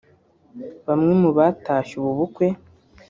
bamwe mu batashye ubu bukwe